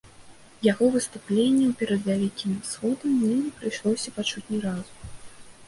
Яго выступленняў перад вялікім сходам мне не прыйшлося пачуць ні разу.